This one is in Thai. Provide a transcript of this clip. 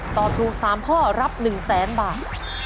ตอบถูก๓ข้อรับ๑แสนบาท